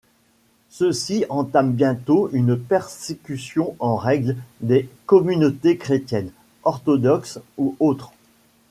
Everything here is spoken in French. Ceux-ci entament bientôt une persécution en règle des communautés chrétiennes, orthodoxes ou autres.